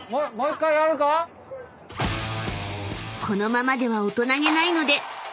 ［このままでは大人げないので］